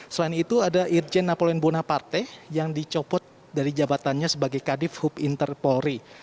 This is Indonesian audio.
selain itu ada irjen napoleon bonaparte yang dicopot dari jabatannya sebagai kadif hukum interpolri